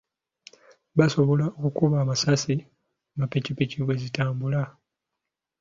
Basobola okukuba amasasi nga ppikipiki bwe zitambula.